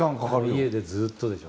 家でずっとでしょ。